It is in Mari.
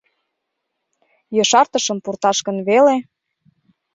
Ешартышым пурташ гын веле.